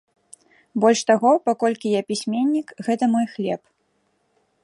Больш таго, паколькі я пісьменнік, гэта мой хлеб.